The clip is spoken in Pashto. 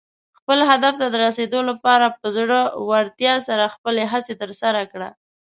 خپل هدف ته د رسېدو لپاره په زړۀ ورتیا سره خپلې هڅې ترسره کړه.